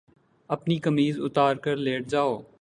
أپنی قمیض اُتار کر لیٹ جاؤ